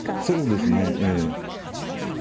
そうですねええ。